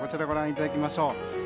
ご覧いただきましょう。